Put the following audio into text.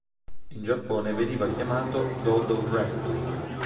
In Giappone veniva chiamato "God of Wrestling".